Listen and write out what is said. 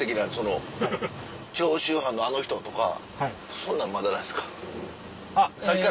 そんなんまだなんですか？